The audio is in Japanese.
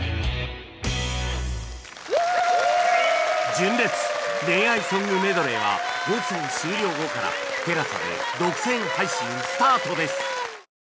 純烈恋愛ソングメドレーは放送終了後から ＴＥＬＡＳＡ で独占配信スタートです